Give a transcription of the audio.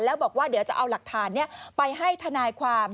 แล้วบอกว่าเดี๋ยวจะเอาหลักฐานไปให้ทนายความ